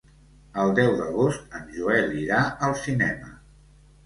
El deu d'agost en Joel irà al cinema.